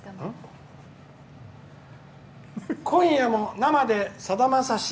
「今夜も生でさだまさし